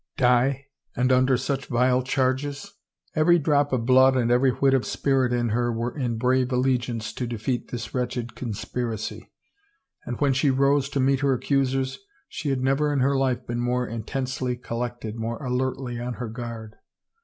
Die? And under such vile charges? Every drop of blood and every whit of spirit in her were in brave allegiance to defeat this wretched conspiracy. And when she rose to meet her accusers she had never in her life been more intensely collected, more alertly on her guard.